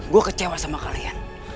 gue kecewa sama kalian